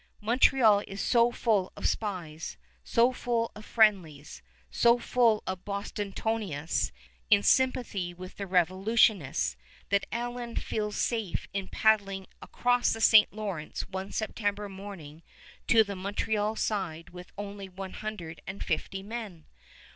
Montreal is so full of spies, so full of friendlies, so full of Bostonnais in sympathy with the revolutionists, that Allen feels safe in paddling across the St. Lawrence one September morning to the Montreal side with only one hundred and fifty men.